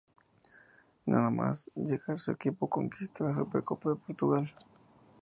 Nada más llegar su equipo conquista la Supercopa de Portugal.